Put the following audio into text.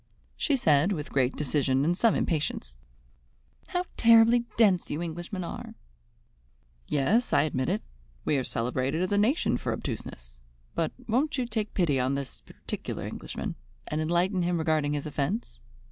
She said with great decision and some impatience: "How terribly dense you Englishmen are!" "Yes, I admit it. We are celebrated as a nation for obtuseness. But won't you take pity on this particular Englishman, and enlighten him regarding his offence.